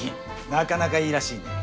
なかなかいいらしいね。